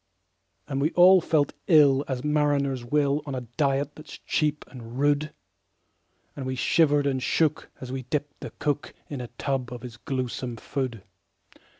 And we all felt ill as mariners will, On a diet that's cheap and rude; And we shivered and shook as we dipped the cook In a tub of his gluesome food.